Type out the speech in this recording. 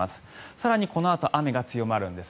更に、このあと雨が強まるんです。